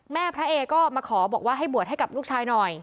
แม่พระเอก็มาขอบอกว่าให้บวชให้กับลูกชายหน่อย